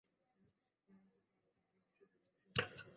বাড়ির সব দেয়ালগুলোই ভূমিসাৎ হয়েছে।